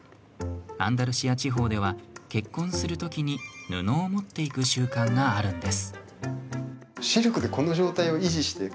アンダルシア地方では結婚するときに布を持って行く習慣があるんです。